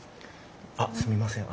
あっすみません